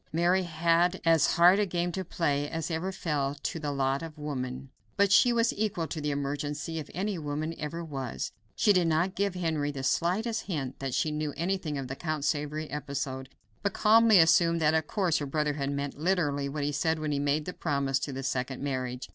Mary had as hard a game to play as ever fell to the lot of woman, but she was equal to the emergency if any woman ever was. She did not give Henry the slightest hint that she knew anything of the Count of Savoy episode, but calmly assumed that of course her brother had meant literally what he said when he made the promise as to the second marriage.